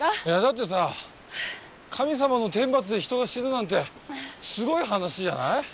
いやだってさ神様の天罰で人が死ぬなんてすごい話じゃない？